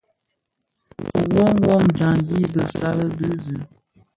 Dhi wom wom dyaňdi i bisal bize.